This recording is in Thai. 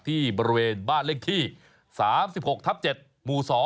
ที่บริเวณบ้านเลขที่๓๖ทับ๗หมู่๒